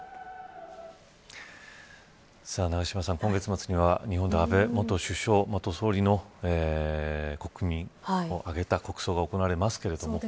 永島さん今月末には、日本で安倍元首相元総理の国を挙げた国葬が行われますけれども。